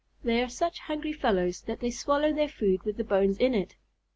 They are such hungry fellows that they swallow their food with the bones in it.